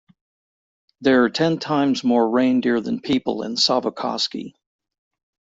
There are ten times more reindeer than people in Savukoski.